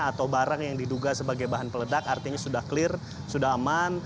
atau barang yang diduga sebagai bahan peledak artinya sudah clear sudah aman